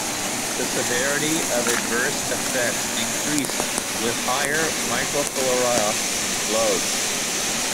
The severity of adverse effects increased with higher microfilarial loads.